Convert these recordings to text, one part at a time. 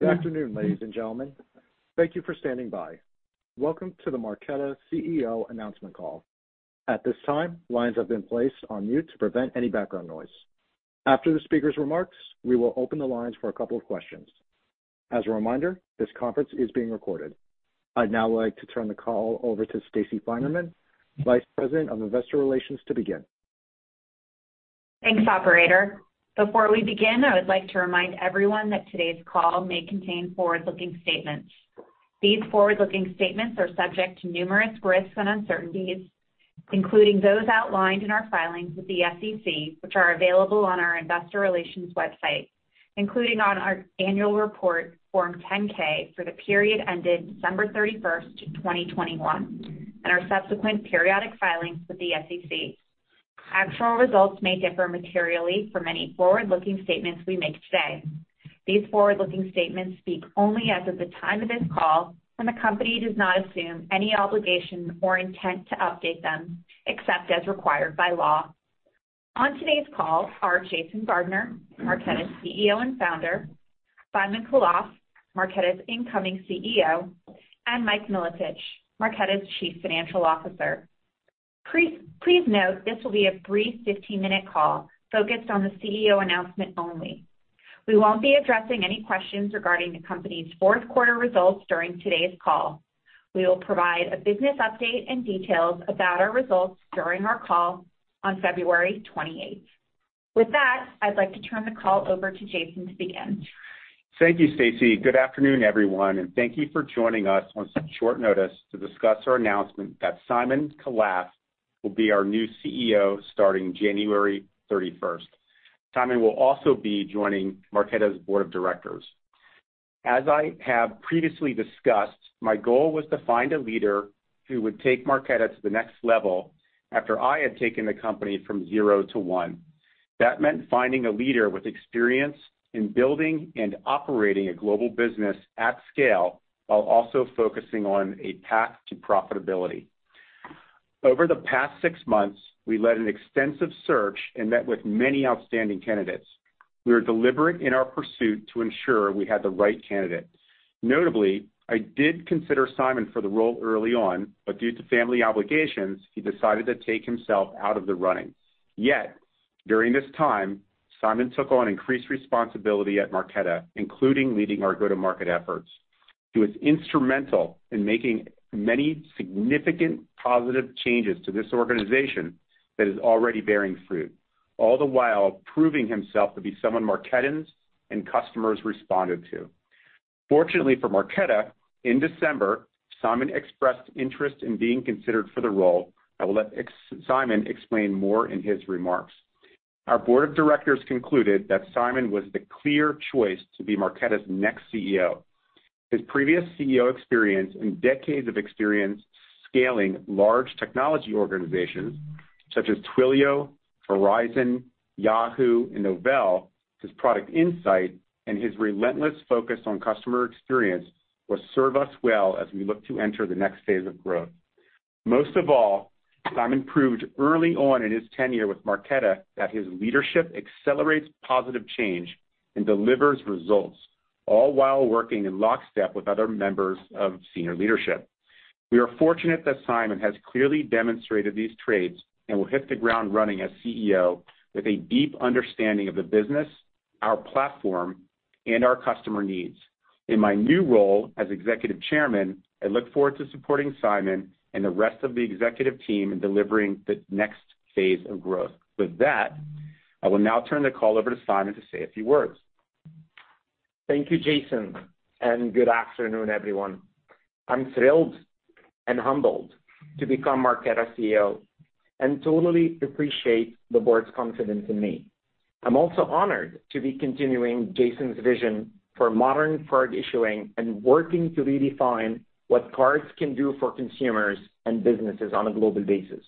Good afternoon, ladies and gentlemen. Thank you for standing by. Welcome to the Marqeta CEO announcement call. At this time, lines have been placed on mute to prevent any background noise. After the speaker's remarks, we will open the lines for a couple of questions. As a reminder, this conference is being recorded. I'd now like to turn the call over to Stacey Finerman, Vice President of Investor Relations, to begin. Thanks, operator. Before we begin, I would like to remind everyone that today's call may contain forward-looking statements. These forward-looking statements are subject to numerous risks and uncertainties, including those outlined in our filings with the SEC, which are available on our investor relations website, including on our annual report, Form 10-K, for the period ended December 31, 2021, and our subsequent periodic filings with the SEC. Actual results may differ materially from any forward-looking statements we make today. These forward-looking statements speak only as of the time of this call, and the company does not assume any obligation or intent to update them except as required by law. On today's call are Jason Gardner, Marqeta's CEO and Founder, Simon Khalaf, Marqeta's incoming CEO, and Mike Milotich, Marqeta's Chief Financial Officer. Please note this will be a brief 15-minute call focused on the CEO announcement only. We won't be addressing any questions regarding the company's fourth quarter results during today's call. We will provide a business update and details about our results during our call on February 28. With that, I'd like to turn the call over to Jason to begin. Thank you, Stacey Finerman. Good afternoon, everyone, and thank you for joining us on such short notice to discuss our announcement that Simon Khalaf will be our new CEO starting January 31st. Simon will also be joining Marqeta's board of directors. As I have previously discussed, my goal was to find a leader who would take Marqeta to the next level after I had taken the company from zero to one. That meant finding a leader with experience in building and operating a global business at scale, while also focusing on a path to profitability. Over the past 6 months, we led an extensive search and met with many outstanding candidates. We were deliberate in our pursuit to ensure we had the right candidate. Notably, I did consider Simon for the role early on, but due to family obligations, he decided to take himself out of the running. Yet, during this time, Simon took on increased responsibility at Marqeta, including leading our go-to-market efforts. He was instrumental in making many significant positive changes to this organization that is already bearing fruit, all the while proving himself to be someone Marquetans and customers responded to. Fortunately for Marqeta, in December, Simon expressed interest in being considered for the role. I will let Simon explain more in his remarks. Our board of directors concluded that Simon was the clear choice to be Marqeta's next CEO. His previous CEO experience and decades of experience scaling large technology organizations such as Twilio, Verizon, Yahoo, and Novell, his product insight, and his relentless focus on customer experience will serve us well as we look to enter the next phase of growth. Most of all, Simon proved early on in his tenure with Marqeta that his leadership accelerates positive change and delivers results, all while working in lockstep with other members of senior leadership. We are fortunate that Simon has clearly demonstrated these traits and will hit the ground running as CEO with a deep understanding of the business, our platform, and our customer needs. In my new role as Executive Chairman, I look forward to supporting Simon and the rest of the executive team in delivering the next phase of growth. With that, I will now turn the call over to Simon to say a few words. Thank you, Jason, and good afternoon, everyone. I'm thrilled and humbled to become Marqeta CEO and totally appreciate the board's confidence in me. I'm also honored to be continuing Jason's vision for modern card issuing and working to redefine what cards can do for consumers and businesses on a global basis.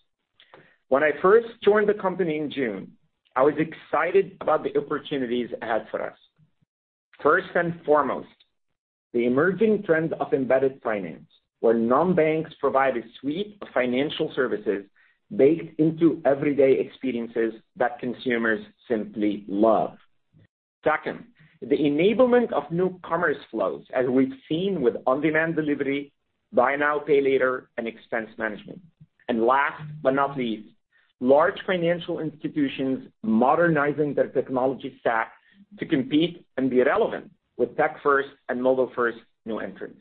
When I first joined the company in June, I was excited about the opportunities it had for us. First and foremost, the emerging trend of embedded finance, where non-banks provide a suite of financial services baked into everyday experiences that consumers simply love. Second, the enablement of new commerce flows, as we've seen with on-demand delivery, buy now, pay later, and expense management. Last but not least, large financial institutions modernizing their technology stack to compete and be relevant with tech first and mobile first new entrants.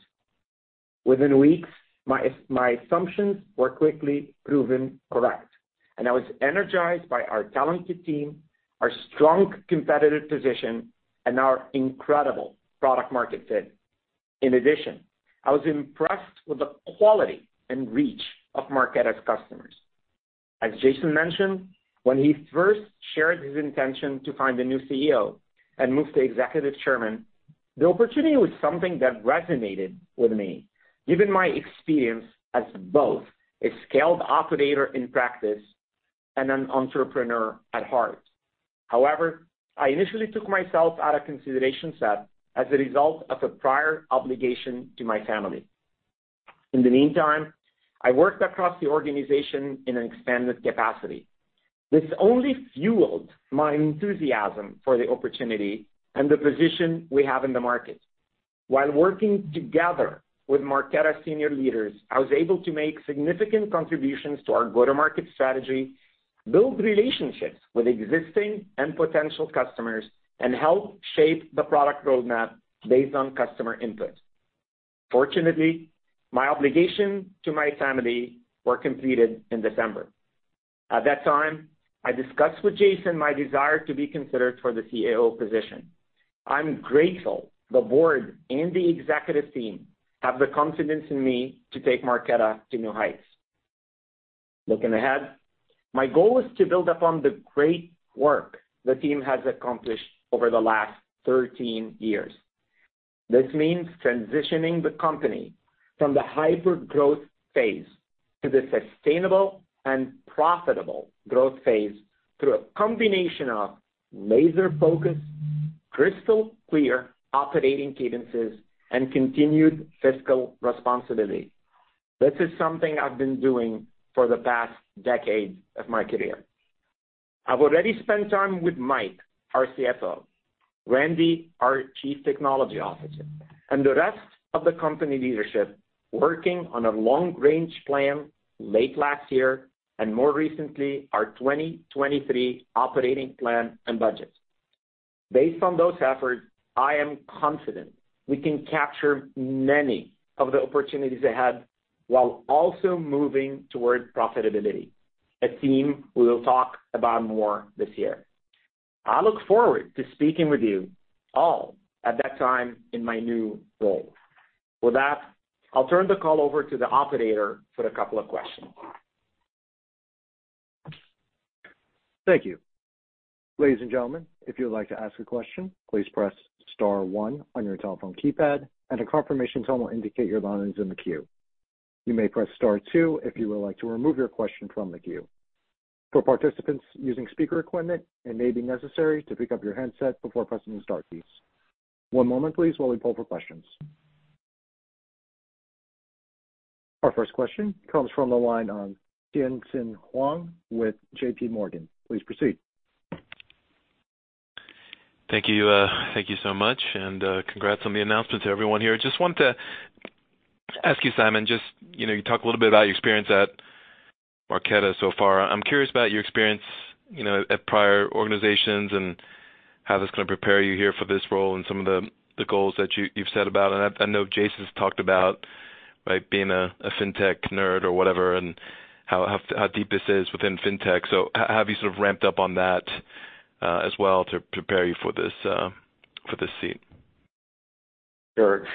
Within weeks, my assumptions were quickly proven correct, and I was energized by our talented team, our strong competitive position, and our incredible product market fit. In addition, I was impressed with the quality and reach of Marqeta's customers. As Jason mentioned, when he first shared his intention to find a new CEO and move to Executive Chairman, the opportunity was something that resonated with me, given my experience as both a scaled operator in practice and an entrepreneur at heart. However, I initially took myself out of consideration set as a result of a prior obligation to my family. In the meantime, I worked across the organization in an expanded capacity. This only fueled my enthusiasm for the opportunity and the position we have in the market. While working together with Marqeta senior leaders, I was able to make significant contributions to our go-to-market strategy, build relationships with existing and potential customers, and help shape the product roadmap based on customer input. Fortunately, my obligation to my family were completed in December. At that time, I discussed with Jason my desire to be considered for the CEO position. I'm grateful the board and the executive team have the confidence in me to take Marqeta to new heights. Looking ahead, my goal is to build upon the great work the team has accomplished over the last 13 years. This means transitioning the company from the hyper-growth phase to the sustainable and profitable growth phase through a combination of laser-focused, crystal clear operating cadences, and continued fiscal responsibility. This is something I've been doing for the past decade of my career. I've already spent time with Mike, our CFO, Randy, our Chief Technology Officer, and the rest of the company leadership working on a long-range plan late last year, and more recently, our 2023 operating plan and budget. Based on those efforts, I am confident we can capture many of the opportunities ahead while also moving towards profitability. A theme we will talk about more this year. I look forward to speaking with you all at that time in my new role. With that, I'll turn the call over to the operator for a couple of questions. Thank you. Ladies and gentlemen, if you would like to ask a question, please press star one on your telephone keypad, and a confirmation tone will indicate your line is in the queue. You may press star two if you would like to remove your question from the queue. For participants using speaker equipment, it may be necessary to pick up your handset before pressing the star keys. One moment please while we pull for questions. Our first question comes from the line on Tien-Tsin Huang with JPMorgan. Please proceed. Thank you. Thank you so much, and congrats on the announcement to everyone here. Just wanted to ask you, Simon, you know, you talked a little bit about your experience at Marqeta so far. I'm curious about your experience, you know, at prior organizations and how that's gonna prepare you here for this role and some of the goals that you've said about. I know Jason's talked about, right, being a fintech nerd or whatever and how deep this is within fintech. How have you sort of ramped up on that as well to prepare you for this for this seat? Sure.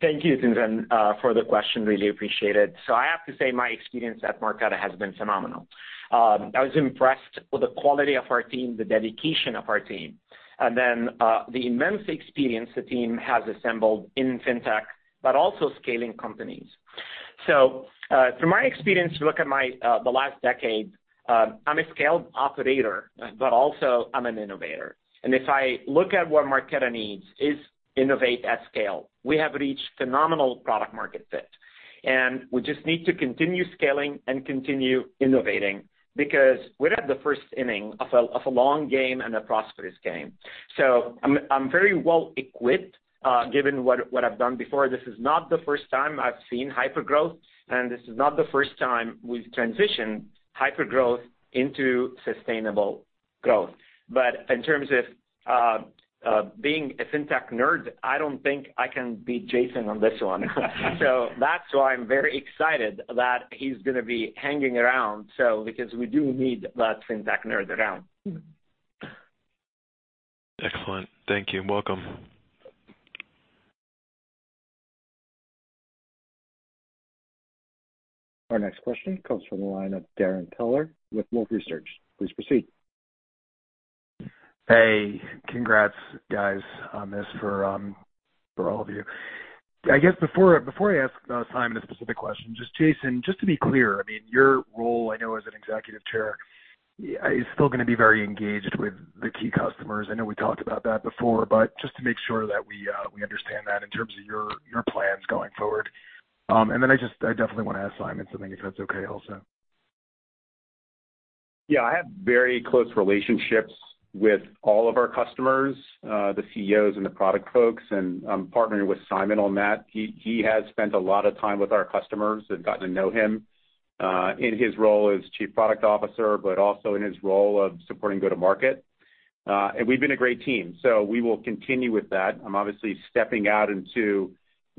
Thank you, Tien-Tsin, for the question. Really appreciate it. I have to say my experience at Marqeta has been phenomenal. I was impressed with the quality of our team, the dedication of our team, the immense experience the team has assembled in fintech, but also scaling companies. From my experience, look at my, the last decade, I'm a scaled operator, but also I'm an innovator. If I look at what Marqeta needs is innovate at scale. We have reached phenomenal product market fit, and we just need to continue scaling and continue innovating because we're at the first inning of a long game and a prosperous game. I'm very well equipped, given what I've done before. This is not the first time I've seen hypergrowth, and this is not the first time we've transitioned hypergrowth into sustainable growth. In terms of being a fintech nerd, I don't think I can beat Jason on this one. That's why I'm very excited that he's gonna be hanging around so because we do need that fintech nerd around. Excellent. Thank you, and welcome. Our next question comes from the line of Darrin Peller with Wolfe Research. Please proceed. Hey, congrats guys on this for all of you. I guess before I ask Simon a specific question, just Jason, just to be clear, I mean, your role, I know as an Executive Chair, is still gonna be very engaged with the key customers. I know we talked about that before, but just to make sure that we understand that in terms of your plans going forward. I definitely wanna ask Simon something, if that's okay also. Yeah. I have very close relationships with all of our customers, the CEOs and the product folks, and I'm partnering with Simon on that. He has spent a lot of time with our customers. They've gotten to know him in his role as chief product officer, but also in his role of supporting go-to-market. We've been a great team, so we will continue with that. I'm obviously stepping out into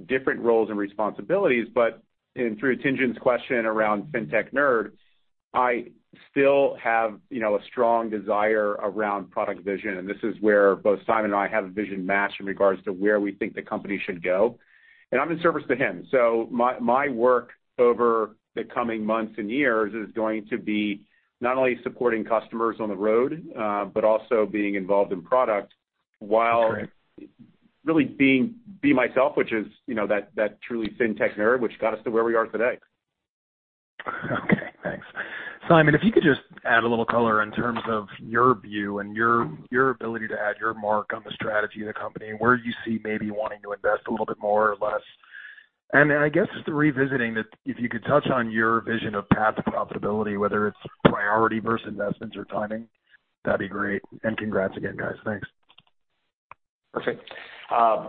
different roles and responsibilities, but in through Tien-Tsin's question around fintech nerd, I still have, you know, a strong desire around product vision, this is where both Simon and I have a vision match in regards to where we think the company should go. I'm in service to him, so my work over the coming months and years is going to be not only supporting customers on the road, but also being involved in product. Great. Really be myself, which is, you know, that truly fintech nerd, which got us to where we are today. Okay, thanks. Simon, if you could just add a little color in terms of your view and your ability to add your mark on the strategy of the company, where do you see maybe wanting to invest a little bit more or less? I guess just revisiting that if you could touch on your vision of path to profitability, whether it's priority versus investments or timing, that'd be great. Congrats again, guys. Thanks. Perfect.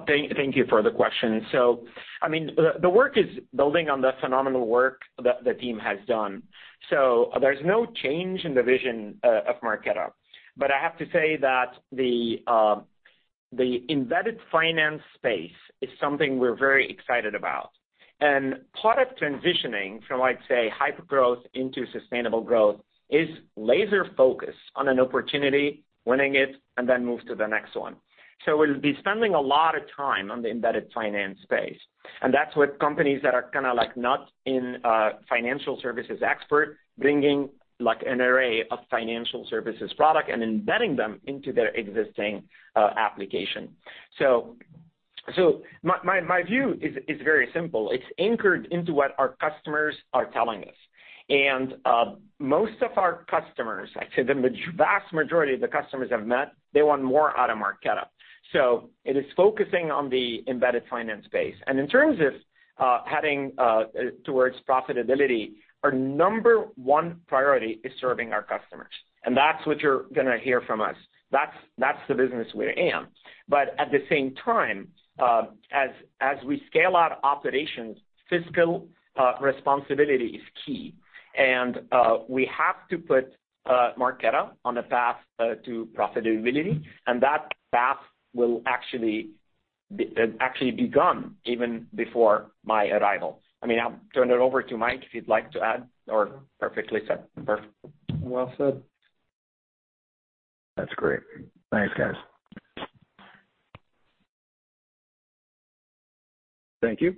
Thank you for the question. I mean, the work is building on the phenomenal work the team has done. There's no change in the vision of Marqeta. I have to say that the embedded finance space is something we're very excited about. Part of transitioning from, like, say, hypergrowth into sustainable growth is laser-focused on an opportunity, winning it, and then move to the next one. We'll be spending a lot of time on the embedded finance space, and that's with companies that are kinda, like, not in financial services expert, bringing like an array of financial services product and embedding them into their existing application. My view is very simple. It's anchored into what our customers are telling us. Most of our customers, I'd say the vast majority of the customers I've met, they want more out of Marqeta. It is focusing on the embedded finance space. In terms of heading towards profitability, our number one priority is serving our customers. That's what you're gonna hear from us. That's the business we're in. At the same time, as we scale out operations, fiscal responsibility is key. We have to put Marqeta on a path to profitability, and that path had actually begun even before my arrival. I mean, I'll turn it over to Mike if he'd like to add. Perfectly said. Perfect. Well said. That's great. Thanks, guys. Thank you.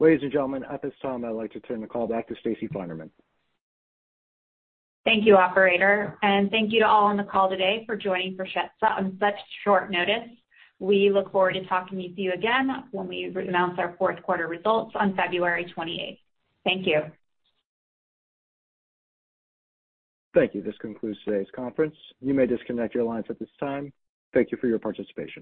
Ladies and gentlemen, at this time, I'd like to turn the call back to Stacey Finerman. Thank you, operator, and thank you to all on the call today for joining on such short notice. We look forward to talking with you again when we announce our fourth quarter results on February 28th. Thank you. Thank you. This concludes today's conference. You may disconnect your lines at this time. Thank you for your participation.